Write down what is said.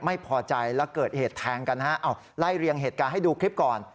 ไม่พอใจแล้วเกิดเหตุแทงกันฮะเอาไล่เรียงเหตุการณ์ให้ดูคลิปก่อน